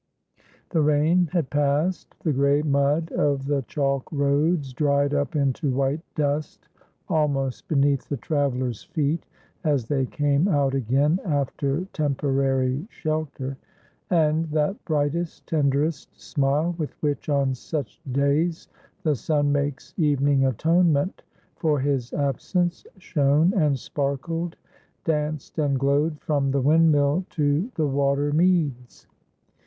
The rain had passed. The gray mud of the chalk roads dried up into white dust almost beneath the travellers' feet as they came out again after temporary shelter; and that brightest, tenderest smile, with which, on such days, the sun makes evening atonement for his absence, shone and sparkled, danced and glowed from the windmill to the water meads.